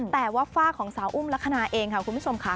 แต่ว่าฝากของสาวอุ้มลักษณะเองค่ะคุณผู้ชมค่ะ